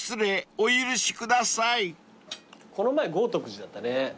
この前豪徳寺だったね。